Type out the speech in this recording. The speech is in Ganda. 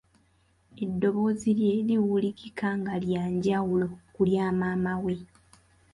Eddoboozi lye liwulikika nga lya njawulo ku lya maamawe.